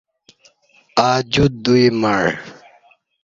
ا دیو دوی مع